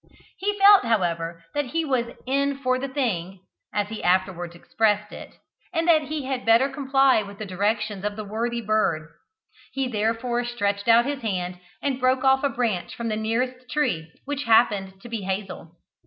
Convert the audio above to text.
He felt, however, that he was "in for the thing," as he afterwards expressed it, and that he had better comply with the directions of the worthy bird. He therefore stretched out his hand and broke off a branch from the nearest tree, which happened to be hazel.